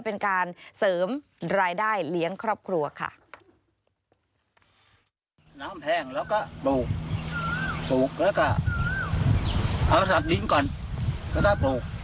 เป็นการเสริมรายได้เลี้ยงครอบครัวค่ะ